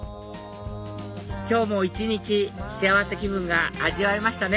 今日も一日幸せ気分が味わえましたね！